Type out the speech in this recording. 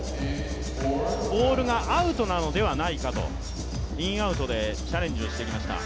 ボールがアウトなのではないかと、インアウトでチャレンジしてきました。